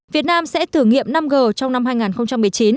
việt nam sẽ thử nghiệm năm g trong năm hai nghìn một mươi chín